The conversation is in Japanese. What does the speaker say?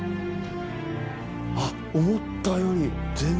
あっ思ったより。